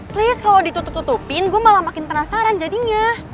please kalau ditutup tutupin gue malah makin penasaran jadinya